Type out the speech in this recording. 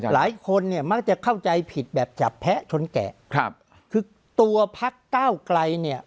หลายคนเนี่ยมักจะเข้าใจผิดแบบจับแพะชนแกะครับคือตัวพักเก้าไกลเนี่ย